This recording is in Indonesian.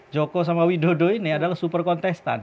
joko sama widodo ini adalah super kontestan